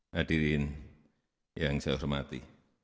hadirin yang saya hormati